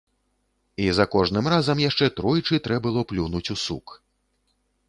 І за кожным разам яшчэ тройчы трэ было плюнуць у сук.